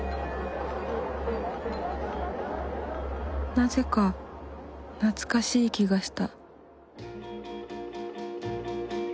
なぜか懐かしい気がした。